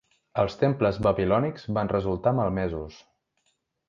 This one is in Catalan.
Els temples babilònics van resultar malmesos.